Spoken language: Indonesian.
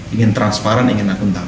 ingin transparan ingin akuntabel